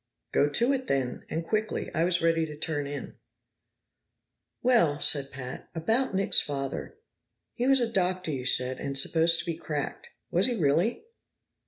"Go to it, then, and quickly. I was ready to turn in." "Well," said Pat, "about Nick's father. He was a doctor, you said, and supposed to be cracked. Was he really?"